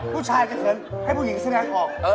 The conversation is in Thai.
ผู้ชายจะเขินให้ผู้หญิงเสื้อแดงออก